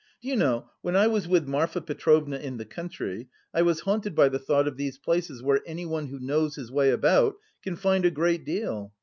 Do you know, when I was with Marfa Petrovna in the country, I was haunted by the thought of these places where anyone who knows his way about can find a great deal.